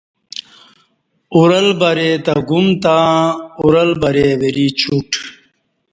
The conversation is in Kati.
اُرل بری تہ گُم تں اُرل بری وری چُٹ